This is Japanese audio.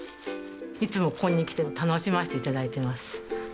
いつもここに来て楽しませて頂いてます。